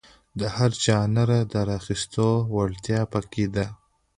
له هر ژانره د راخیستو وړتیا په کې ده.